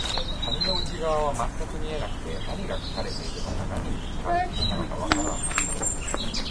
紙の内側は全く見えなくて、何が書かれているのか、何に使われていたのかわからなかった